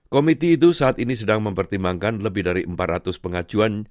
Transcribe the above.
komiti itu saat ini sedang mempertimbangkan lebih dari empat ratus pengajuan